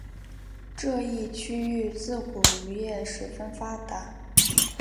这一区域自古渔业十分发达。